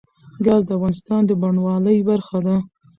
ګاز د افغانستان د بڼوالۍ برخه ده.